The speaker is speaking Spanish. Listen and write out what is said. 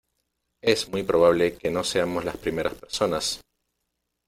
es muy probable que no seamos las primeras personas